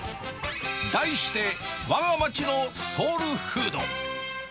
題して、わが町のソウルフード。